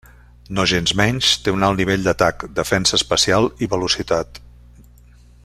Nogensmenys, té un alt nivell d'atac, defensa especial i velocitat.